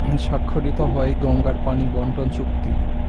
স্বাক্ষরিত হয় গঙ্গার পানি বণ্টন চুক্তি।